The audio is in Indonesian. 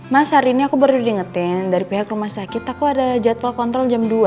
mas hari ini aku baru diingetin dari pihak rumah sakit aku ada jadwal kontrol jam dua